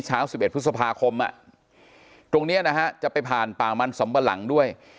เช้า๑๑พฤษภาคมตรงนี้นะฮะจะไปผ่านป่ามันสำปะหลังด้วย